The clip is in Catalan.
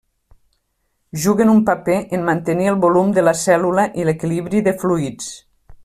Juguen un paper en mantenir el volum de la cèl·lula i l'equilibri de fluids.